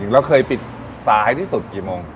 แล้วเคยปิดสายที่สุดกี่โมง